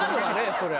そりゃ。